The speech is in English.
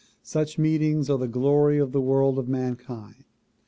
Such meetings are the glory of the world of mankind.